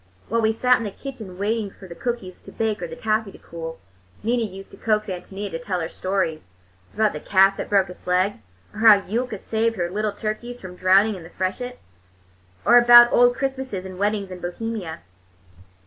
While we sat in the kitchen waiting for the cookies to bake or the taffy to cool, Nina used to coax Ántonia to tell her stories—about the calf that broke its leg, or how Yulka saved her little turkeys from drowning in the freshet, or about old Christmases and weddings in Bohemia.